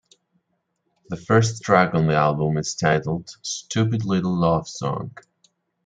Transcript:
The first track on the album is titled "Stupid Little Love Song".